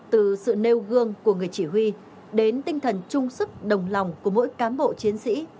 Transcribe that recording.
từ sự nêu gương của người chỉ huy đến tinh thần trung sức đồng lòng của mỗi cán bộ chiến sĩ